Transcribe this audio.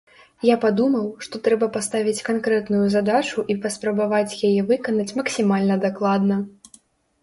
Я падумаў, што трэба паставіць канкрэтную задачу і паспрабаваць яе выканаць максімальна дакладна.